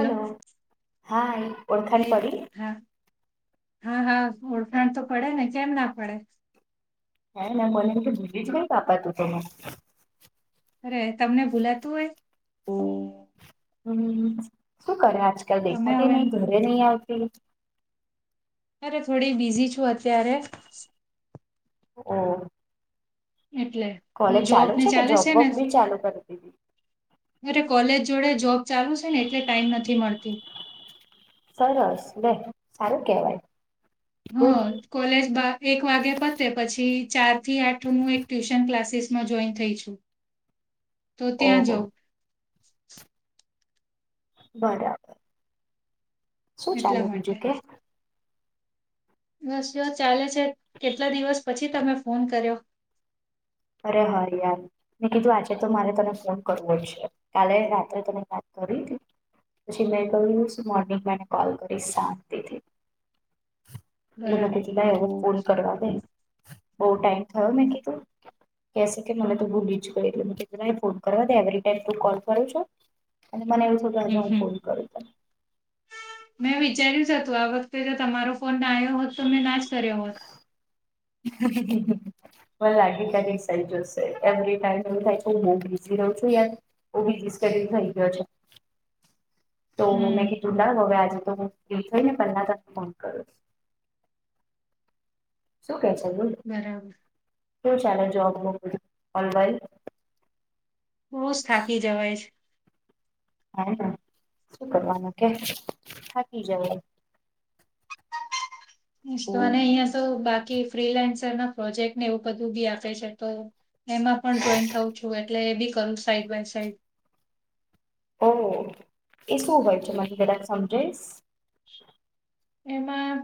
Hello હાએ ઓળખાણ ભાઈ પડી હા હા હા ઓળખાણ તો પડે ને કેમ ના પડે હે ના કોને [unintelligible] અરે તમને ભૂલાતું હોય. હમ શું કરે આજકાલ તમે દેખાતી હવે નહીં ઘરે નહી આવતી અરે થોડી બિઝી છું અત્યારે. ઓહ. એટલે. હું કોલેજ ચાલુ જોબને છે કે ચાલે જોબ વોક ને બી ચાલુ કરી દીધી. અરે કોલેજ જોડે જોબ ચાલુ છે ને એટલે ટાઈમ નથી મળતી. સરસ લે સારું કેવાય. હ ગુડ કોલેજ બા એક વાગે પતે પછી ચાર થી આઠ નું એક ટ્યુશન ક્લાસીસમાં જોઈન થઈ છું. [inaudible] તો ત્યાં જઉ ઓહો બરાબર શું એટલા ચાલે માટે બીજું કે. બસ જો ચાલે છે કેટલા દિવસ પછી તમે ફોન કર્યો અરે હા યાર મે કીધું આજે તો મારે તને ફોન કરવો જ છે કાલે રાત્રે તને વાત કરી હતી પછી મે કહ્યું મોર્નિંગ માં કોલ કરીસ શાંતિથી. એટલે મેં બરાબર કીધું લઇ અવે ફોન કરવા દે બહુ ટાઈમ થયો મેં કીધું. કહેસે કે મને તો ભૂલી જ ગઈ એટલે ફોન કરવા દે એવરી ટાઈમ ત કોલ કરું છો. અને મને એવું થયું કે આજે હમ હું હમ ફોન કરું તને. મેં વિચાર્યું જ હતું આ વખતે જો તમારો ફોન ના આયો હોત તો મેં ના જ કર્યો હોત. [unintelligible] માને લાગ્યું [unintelligible] જશે એવરી ટાઈમ હું બહુ બીઝી રહું છું યાર. બો બીજી સ્ટડી થઈ ગયો છે તો હમ મેં કીધું લાવ હવે આજે તો હું ફ્રી થઈ ને પન્ના ફોન કરું શું કે છે બોલો. બરાબર. શું ચાલે જોબ બોબ બધુ ઓનલાઈન બહુ જ થાકી જવાય છે. [unintelligible] શું કરવાનું કે થાકી જવાય. તને અહિયાં તો બાકી ફ્રીલાન્સર ના પ્રોજેક્ટ એવું બધું બી આપે તો? એમાં પણ જોઈન્ટ થઉ છું એટલે એ બી કરું સાઈડ બાય સાઈડ. ઓ! એ શું હોય છે મને જરાક સમજાવીશ? એમાં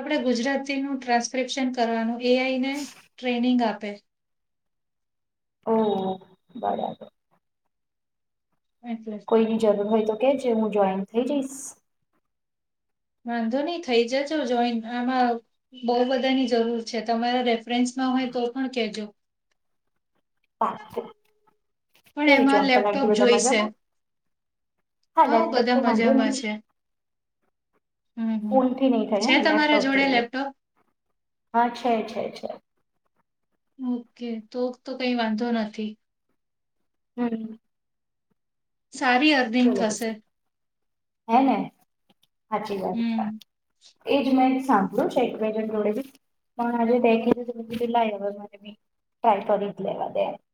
આપડે ગુજરાતીનું ટ્રસ્ટ [unintelligible] કરવાનું એઆઈને ટ્રેનિંગ આપે ઓહો! બરાબર. [unintelligible] કોઈ ની જરૂર હોય તો કે જે હું જોઈન થઈ જઈશ. વાંધો નહી થઈ જજો જોઈન [unintelligible] બઉ બધાની જરૂર છે તમારા રેફરન્સમાં હોય તો પણ કેજો. પાક્કું પણ કેવી એમાં [unintelligible] લેપટોપ જોઈશે આંટી [unintelligible] હા લેપટોપ બધા તો વાંધો મજામાં નહી. છે હમ હમ ફોનથી નહીં થાય હે છે ને તમારા લેપટોપ જોડે જોઈએ. લેપટોપ હા છે છે છે. ઓકે તો તો કઈ વાંધો નથી. હમ. સારી આ [unintelligible] હને હાચી વાત છે. હમ એજ મેં સાંભળ્યું છે [unintelligible] [unintelligible]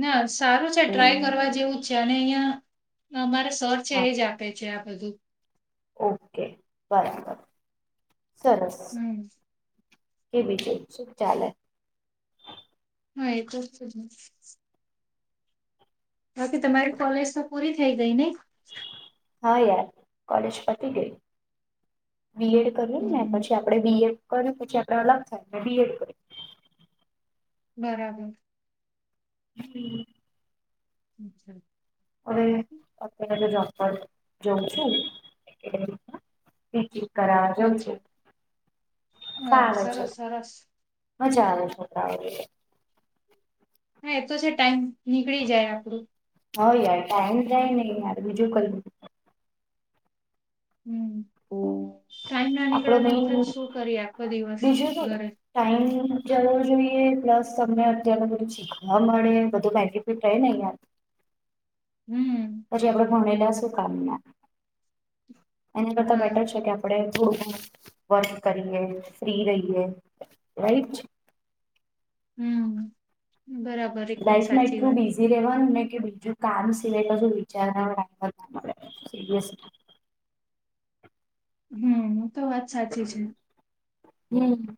ના સારું છે ટ્રાય કરવા જેવું જ છે અને અહિયાં અમારે સર છે હા એ જ આપે છે આ બધું ઓકે [unintelligible] સરસ. હમ. એ બીજું શુ ચાલે. [unintelligible] હ તો તમારી કોલેજ તો પૂરી થઈ ગઈ ને. હા યાર કોલેજ પતી ગઈ બીએડ [unintelligible] હમ ને હમ પછી આપણે બીએ કરી પછી આપડે અલગ થાય ને બીએડ કર બરાબર. [unintelligible] [unintelligible] અવે અત્યારે તો [unintelligible] [unintelligible] અચ્છા હા સરસ સરસ મજા આવે છોકરાઓ [unintelligible] હા એ તો છે ટાઈમ નીકળી જાય આપડુ. હ યાર ટાઈમ જાય નહી યાર બીજું કર્યું હા ટાઈમ ના આપડો નીકળે તેમ મેઈન ત શું કરીએ આખો દિવસ બીજું શું ઘરે. ટાઈમ જવો જોઈએ પ્લસ તમને અત્યારનું થોડું શીખવા મળે બધું બેનિફિટ રહે ને અહીંયા. હમ. અઝુ આપણે ભણેલા સુ કામના. એના કરતા હા બેટર છે કે આપણે [unintelligible] વર્ક કરીએ ફ્રી રહીએ રાઈટ. હમ બરાબ લાઈફ મા એટલું બીઝ રેવાનું ને કે બીજું કામ સિવાય બધું વિચારવા [unintelligible] હમ એ તો વાત સાચી છે. હમ.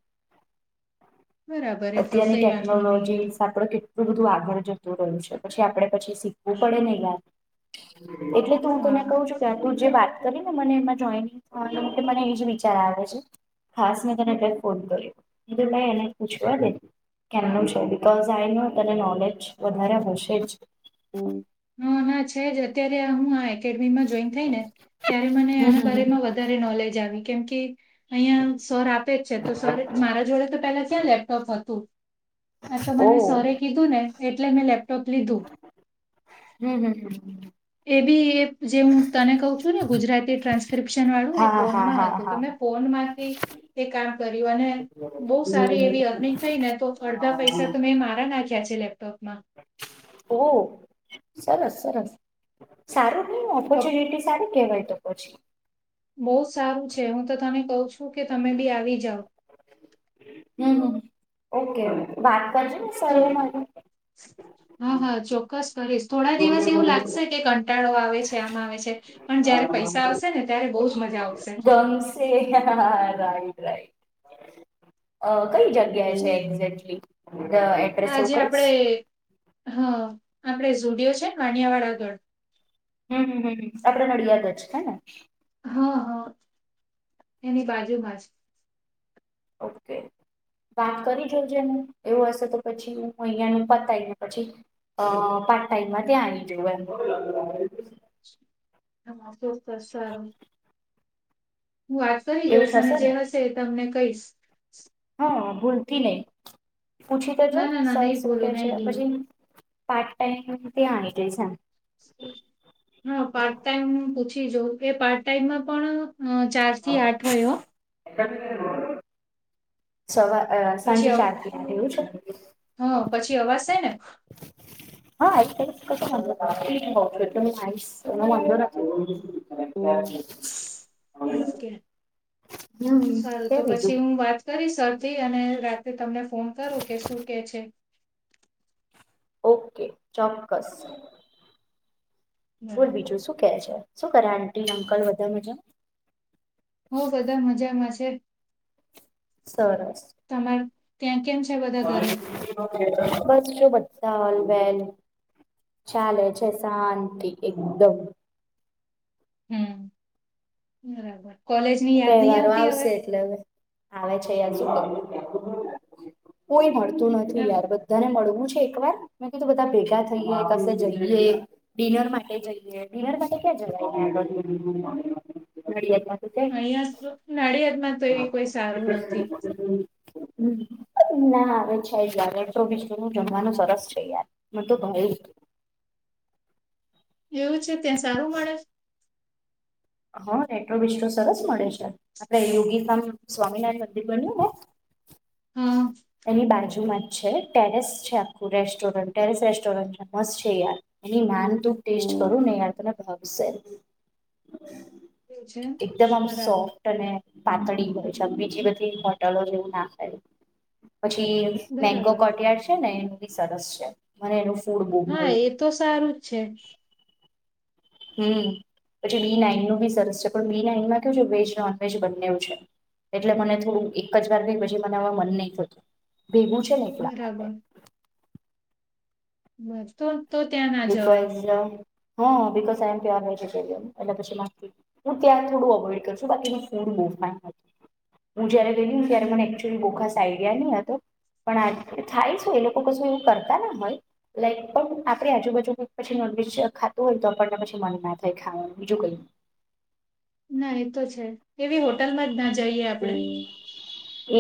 બરાબર એ તો અત્યારની કઈ વાંધો નહી તો ટેકનોલોજીસ આપડ કે કેટલું બધું આગળ જતું રહ્યું છે પછી આપડે પછી શીખવું પડે ને યાર. એટલે તો હું તને હા કવ છુ તું જે વાત કરી ને મને એમાં જોઈને મને એજ વિચાર આવે છે. હાસ મે તને એટલે ફોન કર્યો એ ભાઈ એને, પૂછવા દે બીકોઝ આનું તને નોલેજ વધારે હશે જ‌, હા, હા, હા છે, જ અત્યારે હું આ એકેડેમીમાં જોઈએ. થઈને ત્યારે મને હમ આના હમ હમ. બારેમાં વધારે નોલેજ આવી કેમ કે, અહીયાં સર આપે જ છે, તો સર મારા જોડે તો પેલા ક્યાં લેપટોપ હતું. આતો ઓ મને સરે કીધું ને એટલે મેં લેપટોપ લીધું‌ હું, હ, હ, હ, એબી એજે હું તને કઉ છું, ને ગુજરાતી ટ્રાન્સ્ક્રિપ્શન વાળું એ હા હા ફોનમાં હા હતું તો હા મેં. ફોન માંથી, એ કામ કર્યું અને બહુ સારી એવી અર્નિંગ થઈને તો અડધા પૈસા તો મેં મારા નાખા. ખ્યાં છે, લેપટોપમાં. ઓ સરસ સરસ સારું. પ- ઓપોર્ચ્યુનિટી સારી કહેવાય તો પછી, બહુ સારું છે, હુંતો તને કઉ છું, કે તમે ભી આવી જાવ. હું ઓકે ઓ વાત બાજુ, તો હા હા ચોક્કસ કરીશ, થોડા દિવસ એવું લાગશે કે કંટાળો આવે છે, આમ આવે છે. પણ જયારે પૈસા આવશેને ત્યારે બહુ જ મજા આવશે. હ રાટ રાઈટ કંઈ જગ્યાએ, ગયા હમ. છે, એક્ઝેક્ટલી એડ્રેસ એવું આજે કંઈશ. આપણે હા આપડે ઝુડિયો છે, ને વાનિયા વાળા આગળ. હું, હું, હું, આપડે નડિયાદ જ છે, ને હા, હા એની બાજુમાં છે. ઓકે, વાત કરી જોજે એવું હશે તો પછી હું અહીંયાનું પતાયદે પછી. અ પાર્ટ ટાઈમમાં ત્યા આની જોવાનું, [unintelligible] [inaudible] હું વાત કરી એવું જોઈશ અને થશે જે ને હશે તમને કહીશ, હા ભૂલથી નહીં પૂછી તોજો ના ના ના સર નહી શું કે ભૂલું છે, નહી પછી પાર્ટ ટાઈમ તે આઈ છે. હ [inaudible] હા પાર્ટ ટાઈમ હું પૂછી જાઉએ પાર્ટ ટાઈમમાં પણ ચાર થી આઠ હોય. સવારે પછી સાંજે અવ ચાર થયા એવું છે. હા પછી અવાજ છે, ને [inaudible] [unintelligible] હા આ મટ મરા, હા ઓકે. કે બીજું, કરી સરથી અને રાત્રે તમને ફોન કરો કેશું કે છે, ઓકે ચોક્કસ બોલ બરાબર બીજું શું, કે છે, શું કરે આટી અંકલ બધા મજામાં, હો બધા મજામાં છે, સરસ, તમાર ત્યાં કેમ છે, બધા ઘરે. બસજો બધા ઓલવેજ, ચાલે છે શાંતિ એકદમ હમ બરાબર કોલેજની યાદ નહી તેહવારો આવતી હવે? આવશે એટલે અવે આવે છે [unintelligible] કોઈ મળતું નથી આ યાર બ ધાને મળવું છે એક વાર મેં કીધું બધા ભેગા થઈએ કશે જઈએ ડિનર માટે જઈએ ડિનર માટે ક્યાં જવાય [unintelligible] નડિયાદમાં તો ક્યાંય અઈયા તો નડિિયાદમાં તો એવી કોઈ સારું નથી [inaudible] ના અવે છે જ યાર [unintelligible] નું જમવાનું સરસ છે યાર મન તો ભાયુ એવું છે ત્યાં સારું મળે છ? હં રેટ્રો વિસ્ટો સરસ મળે છે આપડે યોગી ફાર્મ સ્વામિનારાયણ મંદિર બન્યું હા ને એની બાજુમાં છે ટેરેસ છે આખું રેસ્ટોરન્ટ ટેરેસ રેસ્ટોરન્ટ છે મસ્ છે યાર એની નાન તુ ટેસ્ટ કરુ ને યાર તને ભાવશે જ એવુ છે બરાબર તને પાતળી હોય છે બીજી બધી હોટલો જેવું ના હોય પછી મેંગો બરાબર કોટયાર છે ને એનું બી સરસ છે મને એનુ ફૂડ બઉ હા ભાયુ એ તો સારું જ છે. હમ્મ પછી બી નાઈન નું બી સરસ છે પણ બી નાઈનમાં કેવું છે વેજ નોનવેજ બંનેવ છે. એટલે મને થોડું એક જ વાર ગઈ પછી મને મન નહી થતું ભેગુ છે ને એટલા માટે બરાબર હં તો તો ત્યાં ના જવાય [unintelligible] હં because I am pure vegetarian એટલે પછી મસ્ટ બી હું ત્યાં થોડું અવોઈડ કરું છુ બાકી ત્યાંનુ ફુડ બઉ ફાઈન હોય છે ગેયલી ને ત્યારે મને હમ એક્ચ્યુલી બો ખાસ આઈડિયા ની અતો. પણ આ થાય છે એ લોકો કશું એવું કરતા નઈ હોય લાઈક પણ આપ પડી આજુબાજુ પછી નોનવેજ ખાતું હોય તો આપણને પછી મન ના થાય ખાવાનું બીજું કઈ ના એ તો છે એવી હોટલ માં જ ના જઈએ આપડે.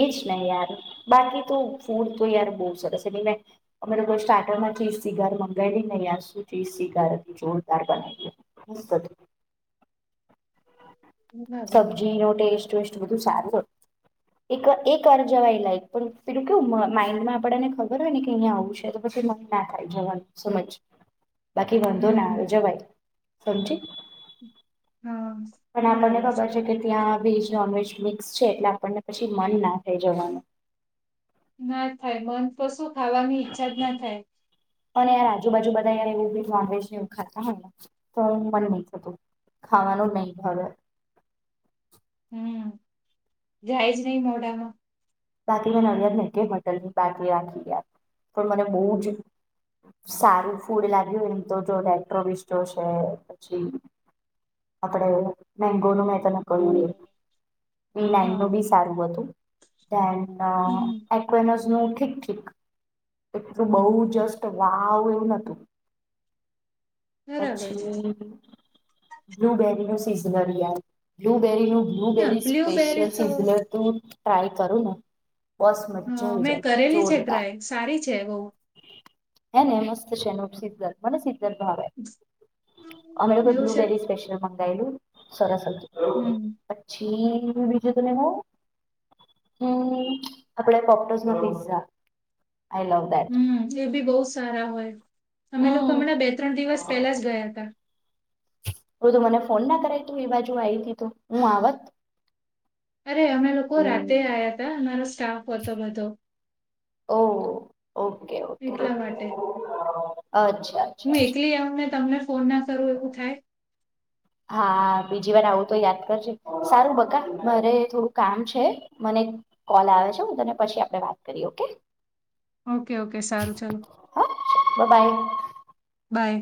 એજ ને યાર બાકી તો ફૂડ તો યાર બઉ સરસ છે એ બી મેં અમે લોકોએ સ્ટાર્ટર માં ચીઝ સિગાર મંગાઈલીને યાર શું ચીઝ શિગાર અતી જોરદાર બનાવી અતી. [unintelligible] બરાબર સબ્જીનો ટેસ્ટ વેસ્ટ બધું સારું જ અતુ એક એક વાર જવાય લાઈક પણ પેલું કેવું મ માઈન્ડ માં આપડાને ખબર હોય ને કે અઈયા આવું છે તો પછી મ ના થાય જવાનું સમજ બાકી વાંધો ના હમ આવે જવાય સમજી‌. હાં. અને આપણને ખબર છે કે ત્યાં વેજ નોનવેજ મિક્સ છે એટલે આપણને પછી મન ના થાય જવાનું. ના થાય મન તો શું ખાવાની ઈચ્છા જ ના થાય. અને યાર આજુબાજુ બધા યાર એવું બી નોનવેજને એવુ ખાતા હોય ને તો ઉં મન નઈ થતું ખાવાનું જ નઈ ભાવે. હમ જાય જ નહી મોઢામાં બાકી [unintelligible] રાખી ગ્યા પણ મને બઉ જ સારું ફૂડ લાગ્યું ને એમ તો જો રેટ્રો વિસ્ટો છે પછી આપડે મેંગોનું મેં તને કહ્યુ એ બી નાઈન હા નું બી સારું હતું. ધેન અ હમ એકવેનોઝનું ઠીક ઠીક એટલું બઉ જસ્ટ વાવ એવું નતું બરાબર છે પછી બ્લુબેરી સીઝનર યાર બ્લુબેરી નું ના બ્લુબેરી બ્લ્યુબેરી સ્પેશિયલ તો સિઝનર દું ટ્રાય કરું ને બસ મત અ જઈ મેં જાય કરેલી છે જોરદાર ટ્રાય સારી છે બહુ. હે ને મસ્ત છે એનું સિઝલર મને સિધર્ભાવ અમે લોકો કો એવું છે? બ્લુબેરી સ્પેશલ મંગાયેલું સરસ હતું. પછી બીજે તમે હુ હમ્મ આપડે પોપટોઝ નો pizza I love that hmm એ બી બહુ સારા હોય અમે લોકો હમ્મ હમણાં બે ત્રણ દિવસ પેલા જ ગયા હતા. હ તો મને ફોન ના કરાય તું એ બાજુ આવી હતી તો હું આવત અરે અમે લોકો આવયા હતા અમારો સ્ટાફ હતો બધો ઓ ઓકે ઓકે એટલા માટે. અચ્છા. હું અચ્છા એકલી આવું ને તમને ફોન ના કરું એવું થાય. હા બીજી વાર આવું તો યાદ કરજે સારું બકા મારે થોડું કામ છે. મને કોલ આવે છે હું તને પછી આપણે વાત કરીએ ઓકે. ઓકે ઓકે સારું ચાલ હા બાય બાય.